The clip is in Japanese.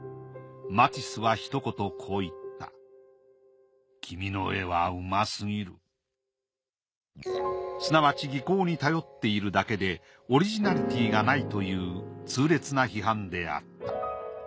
マティスはひと言こう言ったすなわち技巧に頼っているだけでオリジナリティーがないという痛烈な批判であった。